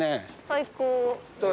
最高。